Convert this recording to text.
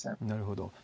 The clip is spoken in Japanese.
なるほど。